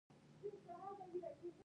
یاقوت د افغانانو د معیشت سرچینه ده.